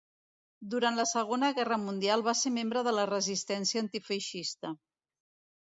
Durant la Segona Guerra Mundial va ser membre de la resistència antifeixista.